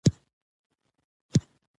هلته د روژې میاشت وه.